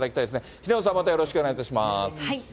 平野さん、またよろしくお願いいたします。